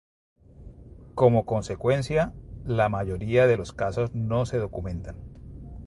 Como consecuencia, la mayoría de los casos no se documentan.